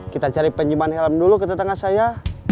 kita cari penyimpan helm dulu ke tetangga saya